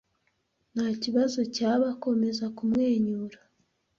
Ntakibazo cyaba, komeza kumwenyura.